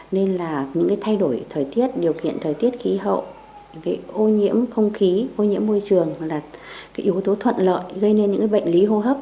nên là những cái thay đổi thời tiết điều kiện thời tiết khí hậu ô nhiễm không khí ô nhiễm môi trường là yếu tố thuận lợi gây nên những bệnh lý hô hấp